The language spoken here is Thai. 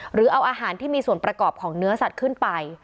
หรือเอาอาหารที่มีส่วนประกอบของเนื้อสัตว์ขึ้นไป